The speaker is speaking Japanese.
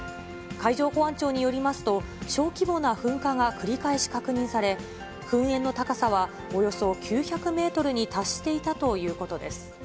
海上保安庁によりますと、小規模な噴火が繰り返し確認され、噴煙の高さはおよそ９００メートルに達していたということです。